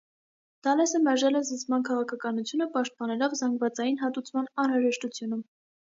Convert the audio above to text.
Դալեսը մերժել է «զսպման» քաղաքականությունը՝ պաշտպանելով «զանգվածային հատուցման» անհրաժեշտությունը։